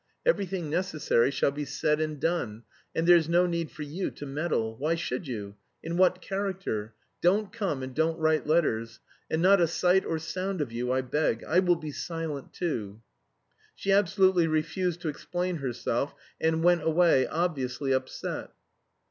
Everything necessary shall be said and done, and there's no need for you to meddle. Why should you? In what character? Don't come and don't write letters. And not a sight or sound of you, I beg. I will be silent too." She absolutely refused to explain herself, and went away, obviously upset.